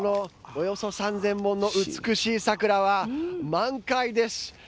およそ３０００本の美しい桜は満開です。